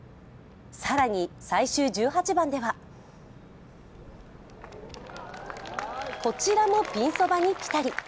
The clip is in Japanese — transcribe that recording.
更に最終１８番ではこちらもピンそばにピタリ。